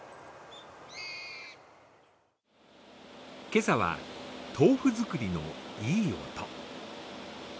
今朝は豆腐作りのいい音。